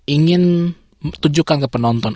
ingin menunjukkan ke penonton